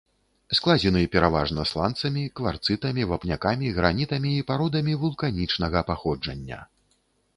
Складзены пераважна сланцамі, кварцытамі, вапнякамі, гранітамі і пародамі вулканічнага паходжання.